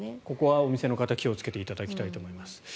お店の方は気をつけていただきたいと思います。